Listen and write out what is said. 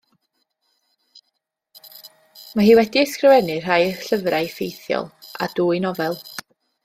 Mae hi wedi ysgrifennu rhai llyfrau ffeithiol, a dwy nofel.